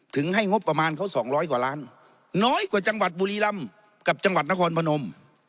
ให้งบประมาณเขา๒๐๐กว่าล้านน้อยกว่าจังหวัดบุรีรำกับจังหวัดนครพนม